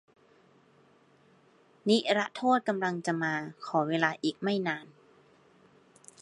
นิรโทษกำลังจะมา ขอเวลาอีกไม่นาน